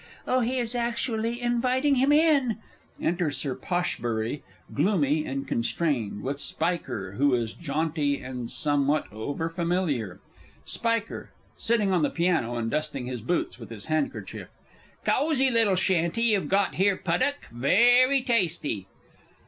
Oh, he is actually inviting him in! Enter Sir POSHBURY, gloomy and constrained, with SPIKER, who is jaunty, and somewhat over familiar. Spiker (sitting on the piano, and dusting his boots with his handkerchief). Cosy little shanty you've got here, Puddock very tasty!